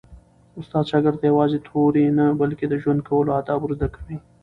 استاد شاګرد ته یوازې توري نه، بلکي د ژوند کولو آداب ور زده کوي.